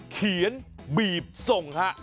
เขียนบีบส่งฮะ